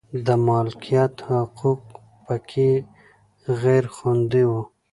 د مالکیت حقوق په کې غیر خوندي و.